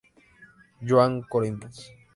Joan Coromines.